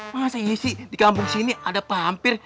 masa iya sih di kampung sini ada vampir